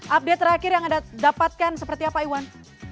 update terakhir yang anda dapatkan seperti apa iwan